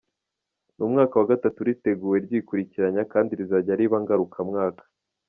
Ni umwaka wa gatatu riteguwe ryikurikiranya kandi rizajya riba ngarukamwaka.